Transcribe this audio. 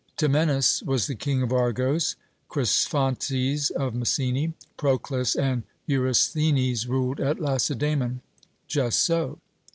Temenus was the king of Argos, Cresphontes of Messene, Procles and Eurysthenes ruled at Lacedaemon. 'Just so.'